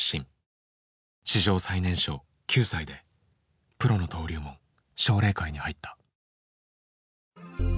史上最年少９歳でプロの登竜門奨励会に入った。